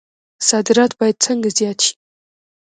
صادرات باید څنګه زیات شي؟